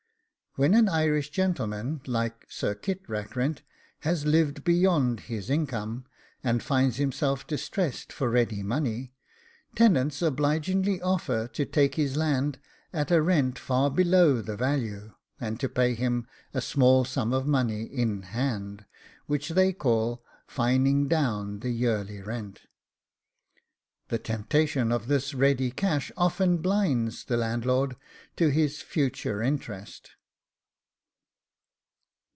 When an Irish gentleman, like Sir Kit Rackrent, has lived beyond his income, and finds himself distressed for ready money, tenants obligingly offer to take his land at a rent far below the value, and to pay him a small sum of money in hand, which they call fining down the yearly rent. The temptation of this ready cash often blinds the landlord to his future interest.